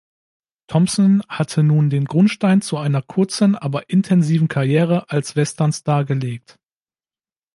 Thomson hatte nun den Grundstein zu einer kurzen aber intensiven Karriere als Western-Star gelegt.